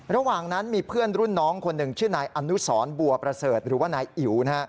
ระหว่างนั้นมีเพื่อนรุ่นน้องคนหนึ่งชื่อนายอนุสรบัวประเสริฐหรือว่านายอิ๋ว